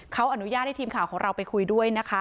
เขาอนุญาตให้ทีมข่าวของเราไปคุยด้วยนะคะ